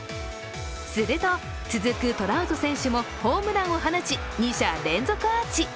すると、続くトラウト選手もホームランを放ち２者連続アーチ。